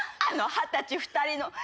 あの二十歳２人の。